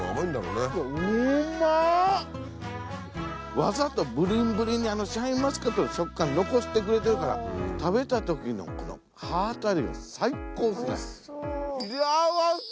わざとブリンブリンにシャインマスカットの食感残してくれてるから食べたときのこの歯当たりが最高っすね。